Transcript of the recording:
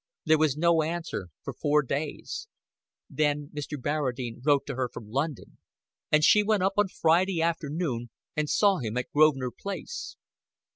There was no answer for four days. Then Mr. Barradine wrote to her from London; and she went up on Friday afternoon, and saw him at Grosvenor Place.